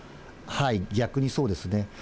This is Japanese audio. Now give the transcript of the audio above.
逆にそうですね。